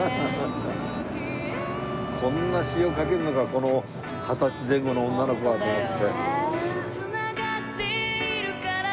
こんな詞を書けるのかこの二十歳前後の女の子がと思って。